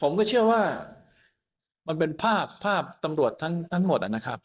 ผมก็เชื่อว่ามันเป็นภาพภาพตำรวจทั้งหมดนะครับ